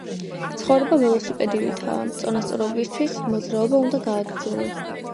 ცხოვრება ველოსიპედივითაა — წონასწორობისთვის მოძრაობა უნდა გააგრძელო